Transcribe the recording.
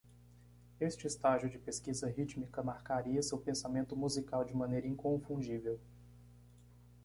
Este estágio de pesquisa rítmica marcaria seu pensamento musical de maneira inconfundível.